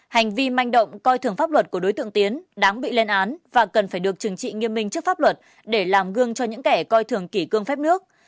hành vi manh động coi thường pháp luật của đối tượng tiến đáng bị lên án và cần phải được trừng trị nghiêm minh trước pháp luật để làm gương cho những kẻ coi thường kỷ cương phép nước